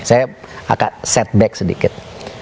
saya akan setback sedikit